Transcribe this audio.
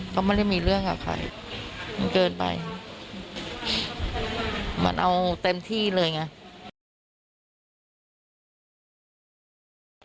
ก็ไม่ได้มีเรื่องกับใครมันเกินไปเหมือนเอาเต็มที่เลยไง